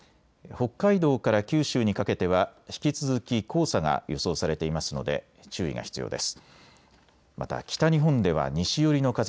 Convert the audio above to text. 北海道から九州にかけては引き続き黄砂が予想されていますので注意が必要です。